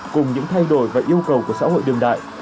cùng những thay đổi và yêu cầu của xã hội đường đại